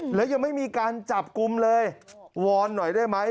แล้วยังไม่มีการจับกลุ่มเลยวอนหน่อยได้ไหม